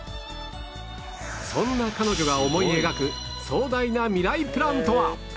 そんな彼女が思い描く壮大なミライプランとは